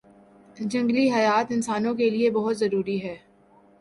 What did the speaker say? جنگلی حیات انسانوں کے لیئے بہت ضروری ہیں